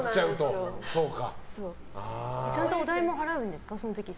ちゃんとお代も払うんですか？